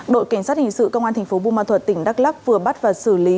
đội cảnh sát hình sự công an thành phố bùa ma thuật tỉnh đắk lắc vừa bắt và xử lý